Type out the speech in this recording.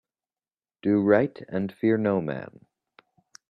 Do right and fear no man.